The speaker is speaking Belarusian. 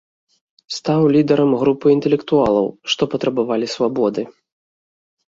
Стаў лідарам групы інтэлектуалаў, што патрабавалі свабоды.